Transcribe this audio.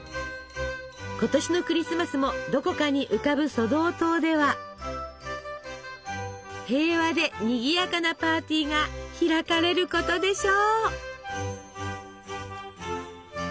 今年のクリスマスもどこかに浮かぶソドー島では平和でにぎやかなパーティーが開かれることでしょう。